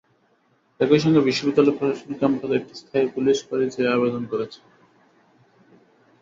একই সঙ্গে বিশ্ববিদ্যালয় প্রশাসন ক্যাম্পাসে একটি স্থায়ী পুলিশ ফাঁড়ি চেয়ে আবেদন করেছে।